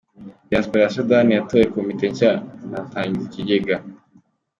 Diyasipora ya Sudani yatoye komite nshya inatangiza ikigega